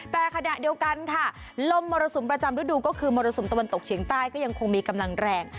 แต่ขณะเดียวกันค่ะลมมรสุมประจำฤดูก็คือมรสุมตะวันตกเฉียงใต้ก็ยังคงมีกำลังแรง